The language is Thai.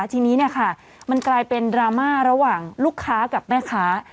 ทีนี้มันกลายเป็นดราม่าระหว่างลูกค้ากับแม่ค้า